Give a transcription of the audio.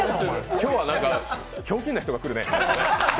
今日はひょうきんな人が来るね。